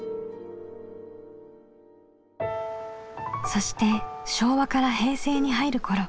そして昭和から平成に入る頃。